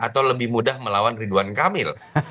atau lebih mudah melawan ridwan kamil